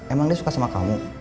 emang dia suka sama kamu